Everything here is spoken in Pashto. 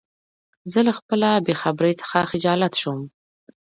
زه له خپله بېخبری څخه خجالت شوم.